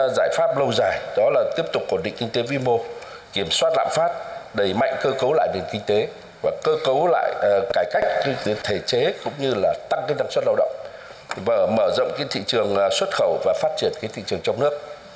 giải pháp lâu dài đó là tiếp tục ổn định kinh tế vi mô kiểm soát lạm phát đẩy mạnh cơ cấu lại nền kinh tế và cơ cấu lại cải cách thể chế cũng như là tăng năng suất lao động và mở rộng thị trường xuất khẩu và phát triển thị trường trong nước